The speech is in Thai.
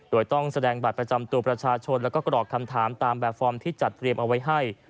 โดยต้องแสดงบัตรประจำตัวประชาชนแล้วก็กรอกคำถามตามแบบฟอร์มที่จัดเตรียมเอาไว้ให้